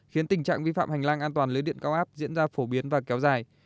khiến tình trạng vi phạm hành lang an toàn lưới điện cao áp diễn ra phổ biến và kéo dài